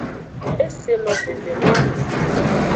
E se no veve noame.